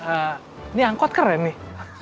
ini angkot keren nih